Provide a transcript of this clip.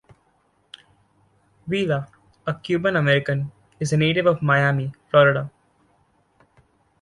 Vila, a Cuban-American, is a native of Miami, Florida.